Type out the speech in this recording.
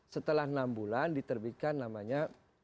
setelah enam bulan diterbitkan namanya